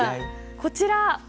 こちら。